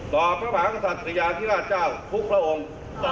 พระมหากษัตริยาธิราชเจ้าทุกพระองค์